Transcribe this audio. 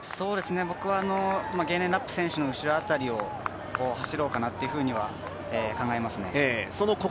僕はゲーレン・ラップ選手の後ろ辺りを走ろうかなっていうふうには考えますね。